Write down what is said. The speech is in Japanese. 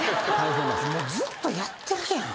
ずっとやってるやん。